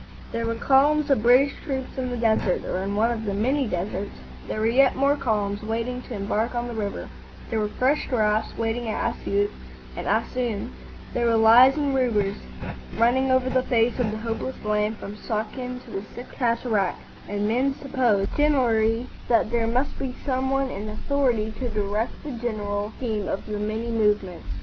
There were columns of British troops in the desert, or in one of the many deserts; there were yet more columns waiting to embark on the river; there were fresh drafts waiting at Assioot and Assuan; there were lies and rumours running over the face of the hopeless land from Suakin to the Sixth Cataract, and men supposed generally that there must be some one in authority to direct the general scheme of the many movements.